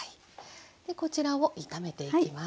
でこちらを炒めていきます。